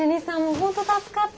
本当助かった。